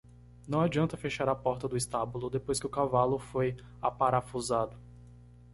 Não adianta fechar a porta do estábulo? depois que o cavalo foi aparafusado.